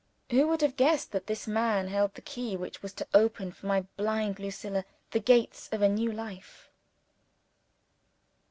Who would have guessed that this man held the key which was to open for my blind Lucilla the gates of a new life!